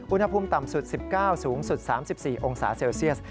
อุณหภูมิต่ำสุด๑๙องศาเซลเซียสสูงสุด๓๔องศาเซลเซียส